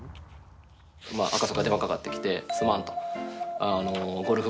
赤楚から電話かかってきてすまんと。